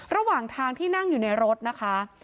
ระหว่างทางที่นั่งอยู่ในรถนะคะ